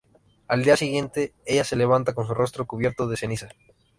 Al día siguiente, ella se levanta con su rostro cubierto de cenizas.